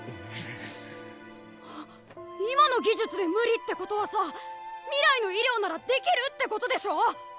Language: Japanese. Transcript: ハッ今の技術で無理ってことはさ未来の医療ならできるってことでしょ？